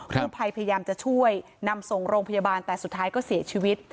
ผู้ภัยพยายามจะช่วยนำส่งโรงพยาบาลแต่สุดท้ายก็เสียชีวิต